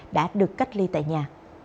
đã được cách lê tại nhà